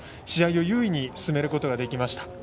試合を優位に進めることができました。